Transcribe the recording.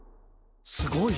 すごい！